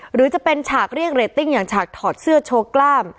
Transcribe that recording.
หรือจะเป็นฉากเรียกเรตติ้งอย่างฉากถอดเสื้อโชว์กล้าม